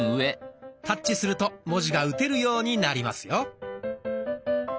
タッチすると文字が打てるようになりますよ。